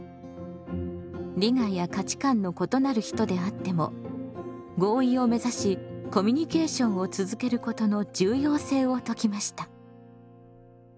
利害や価値観の異なる人であっても合意を目指しコミュニケーションを続けることの重要性を説きました。